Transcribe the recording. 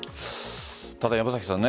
ただ、山崎さん